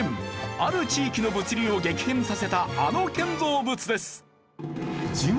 ある地域の物流を激変させたあの建造物です。